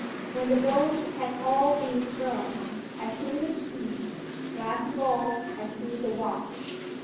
When the bones had all been thrown, I threw the keys; last of all I threw the watch.